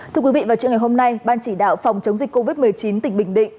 thưa quý vị vào trường ngày hôm nay ban chỉ đạo phòng chống dịch covid một mươi chín tỉnh bình định